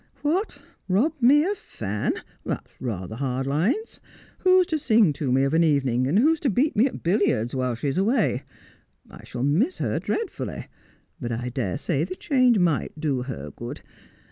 ' What ! rob me of Fan ! That's rather hard lines. "Who's to sing to me of an evening, and who's to beat me at billiards, while she's away ] I shall miss her dreadfully ; but I dare say the change might do her good.